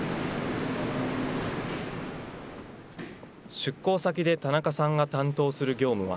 出向先で田中さんが担当する業務は。